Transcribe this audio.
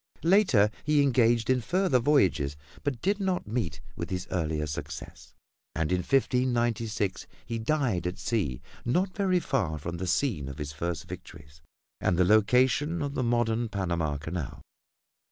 Later he engaged in further voyages, but did not meet with his earlier success, and in 1596 he died at sea not very far from the scene of his first victories and the location of the modern Panama Canal.